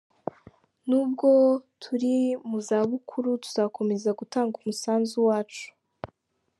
Nubwo turi mu zabukuru tuzakomeza gutanga umusanzu wacu.